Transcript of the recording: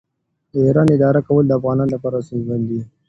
د ایران اداره کول افغانانو لپاره ستونزمن و.